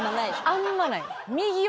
あんまない。